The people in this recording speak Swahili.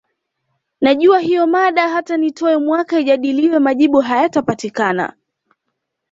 Najua hiyo mada hata nitowe mwaka ijadiliwe majibu hayatapatikana